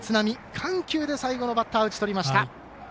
緩急で最後のバッター打ち取りました。